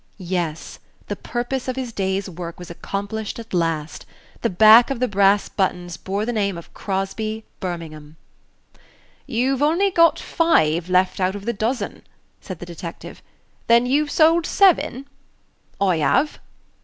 Yes; the purpose of his day's work was accomplished at last. The back of the brass buttons bore the name of Crosby, Birmingham. "You've only got five left out of the dozen," said the detective; "then you've sold seven?" "I have."